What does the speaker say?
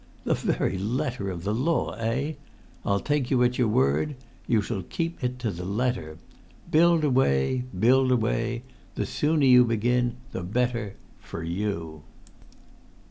'The very letter of the law,' eh? I'll take you at your word; you shall keep it to the letter. Build away! Build away! The sooner you begin the better—for you!"